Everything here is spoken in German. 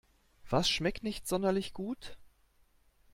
Was schmeckt nicht sonderlich gut?